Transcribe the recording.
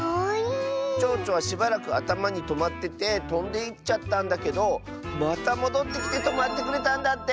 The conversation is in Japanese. ちょうちょはしばらくあたまにとまっててとんでいっちゃったんだけどまたもどってきてとまってくれたんだって！